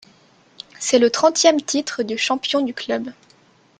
C’est le trentième titre de champion du club.